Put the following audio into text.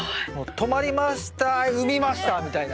とまりました産みましたみたいな。